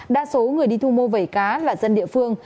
đa số người đi thu mua vẩy cá là dân địa phương